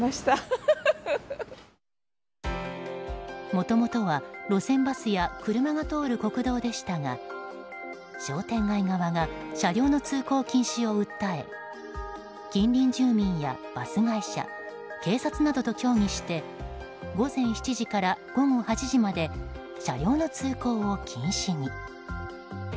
もともとは路線バスや車が通る国道でしたが商店街側が車両の通行禁止を訴え近隣住民やバス会社警察などと協議して午前７時から午後８時まで車両の通行を禁止に。